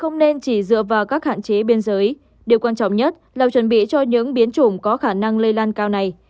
không nên chỉ dựa vào các hạn chế biên giới điều quan trọng nhất là chuẩn bị cho những biến chủng có khả năng lây lan cao này